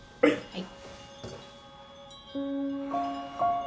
はい。